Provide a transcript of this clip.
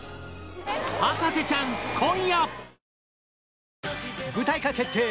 『博士ちゃん』今夜！